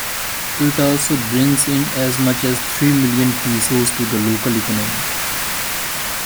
It also brings in as much as three million pesos to the local economy.